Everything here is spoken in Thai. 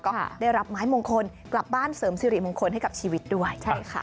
ก็ได้รับไม้มงคลกลับบ้านเสริมสิริมงคลให้กับชีวิตด้วยใช่ค่ะ